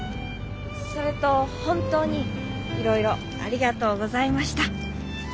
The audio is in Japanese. それと本当にいろいろありがとうございました。